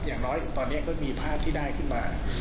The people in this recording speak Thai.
อย่างน้อยตอนนี้ก็มีภาพที่ได้ขึ้นมา